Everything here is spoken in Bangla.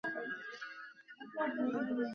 আমরা সকলে একজনের সহিত দেখা করিবার জন্য বাহির হইলাম।